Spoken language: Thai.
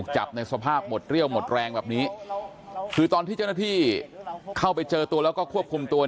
จับในสภาพหมดเรี่ยวหมดแรงแบบนี้คือตอนที่เจ้าหน้าที่เข้าไปเจอตัวแล้วก็ควบคุมตัว